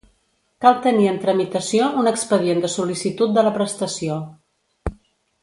Cal tenir en tramitació un expedient de sol·licitud de la prestació.